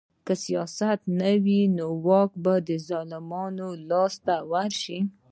که سیاست نه وي نو واک به د ظالمانو لاس ته ورشي